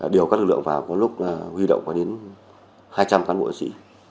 điều các lực lượng vào có lúc huy động có đến hai trăm linh cán bộ sĩ